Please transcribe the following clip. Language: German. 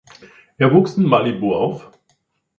Er wuchs in Malibu auf.